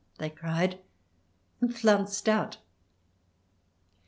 they cried, and flounced out.